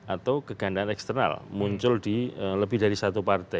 atau kegandaan eksternal muncul di lebih dari satu partai